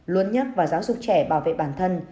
luôn nhắc và giáo dục trẻ bảo vệ bản thân